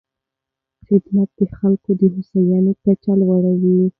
خدمت د خلکو د هوساینې کچه لوړوي.